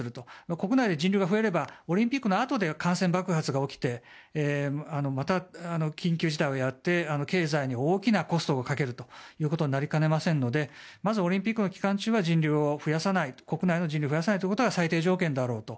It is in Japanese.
国内で人流が増えればオリンピックのあとに感染爆発が起きてまた緊急事態をやると経済に大きなコストをかけることになりかねませんのでまずオリンピックの期間中は国内の人流を増やさないということが最低条件です。